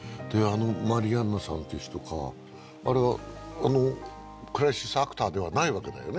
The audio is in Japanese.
あのマリアンナさんっていう人かあれはクライシスアクターではないわけだよね